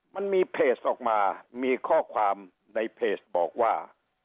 มันมีเพจออกมามีข้อความในเพจบอกว่า